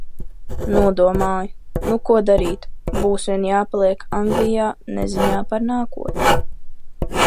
Nodomāju: nu ko darīt, būs vien jāpaliek Anglijā neziņā par nākotni.